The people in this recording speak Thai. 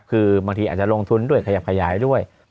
คือบางทีอาจจะลงทุนด้วยขยับขยายด้วย